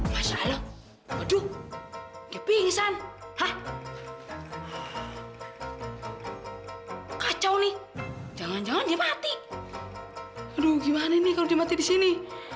masya allah aduh dia pingsan hah kacau nih jangan jangan dia mati aduh gimana nih kalau dia mati di sini